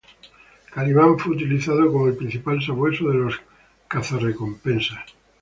Caliban fue utilizado como el principal sabueso de los Cazarrecompensas.